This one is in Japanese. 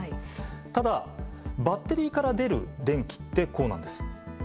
ただバッテリーから出る電気ってこうなんです。